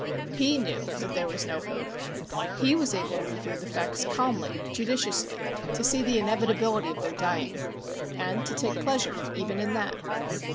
He knew that there was no hope. He was able to review the facts calmly, judiciously, to see the inevitability of their dying and to take pleasure even in that.